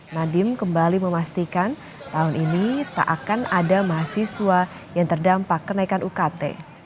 nadiem kembali memastikan tahun ini tak akan ada mahasiswa yang terdampak kenaikan ukt